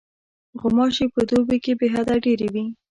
غوماشې په دوبي کې بېحده ډېرې وي.